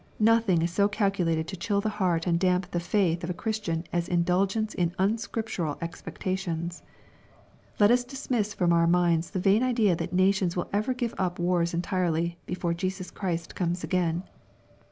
Nothing is so calculated to chill the heart and damp the faith of a Christian as in dulgence in unscriptural expectations.— Let us dismiss from our minds the vain idea that nations will ever give up wars entirely, before Jesus Christ comes again.